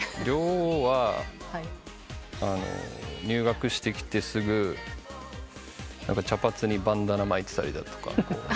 ＲＹＯは入学してきてすぐ茶髪にバンダナ巻いてたりだとか。